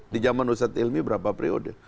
di zaman ustadz hilmi berapa periode